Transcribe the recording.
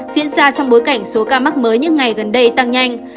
diễn ra trong bối cảnh số ca mắc mới những ngày gần đây tăng nhanh